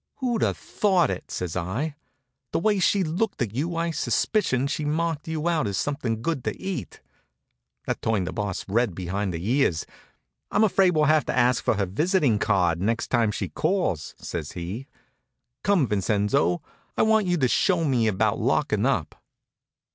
"Who'd a thought it?" says I. "The way she looked at you I suspicioned she'd marked you out as something good to eat." That turned the Boss red behind the ears. "I'm afraid we'll have to ask for her visiting card the next time she calls," says he. "Come, Vincenzo, I want you to show me about locking up."